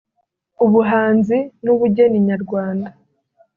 ubuhanzi n’ubugeni nyarwanda